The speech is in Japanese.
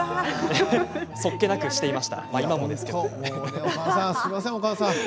そっけなくしていました。